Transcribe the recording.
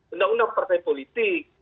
undang undang partai politik